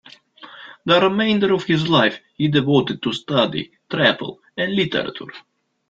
The remainder of his life he devoted to study, travel and literature.